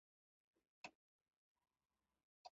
په کوټه کې اور بلېده او ما یوازې ژړل